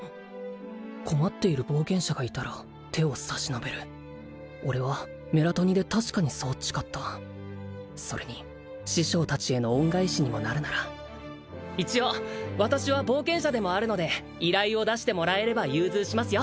困っている冒険者がいたら手を差し伸べる俺はメラトニで確かにそう誓ったそれに師匠達への恩返しにもなるなら一応私は冒険者でもあるので依頼を出してもらえれば融通しますよ